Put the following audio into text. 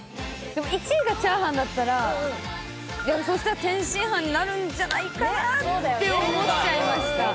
１位がチャーハンだったら、天津飯になるんじゃないかなって思っちゃいました。